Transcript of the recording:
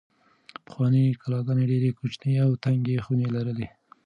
پخوانۍ کلاګانې ډېرې کوچنۍ او تنګې خونې لرلې.